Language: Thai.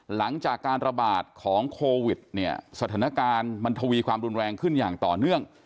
หลังจากการระบาดของโควิดเนี่ยสถานการณ์มันทวีความรุนแรงขึ้นอย่างต่อเนื่อง